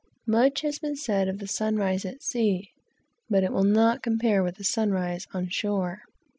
Much has been said of the sun rise at sea; but it will not compare with the sun rise on shore.